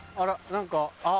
何か。